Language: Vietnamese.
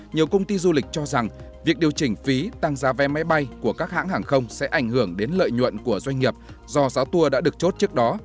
nhiều công ty du lịch cho rằng việc điều chỉnh phí tăng giá vé máy bay của các hãng hàng không sẽ ảnh hưởng đến lợi nhuận của doanh nghiệp do giá tour đã được chốt trước đó